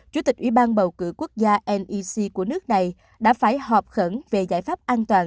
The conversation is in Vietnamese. chủ tịch ủy ban bầu cử quốc gia nec của nước này đã phải họp khẩn về giải pháp an toàn